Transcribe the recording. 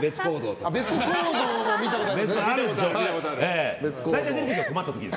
別行動も見たことありますね。